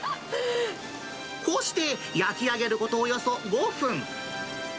こうして、焼き上げることおよそ５分。